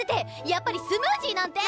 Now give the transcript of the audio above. やっぱりスムージーなんて。